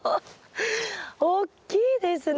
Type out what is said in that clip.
おっきいですね！